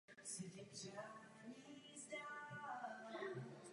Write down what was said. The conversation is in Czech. Severovýchodní svahy hory klesají k břehům říčky Donnersbach.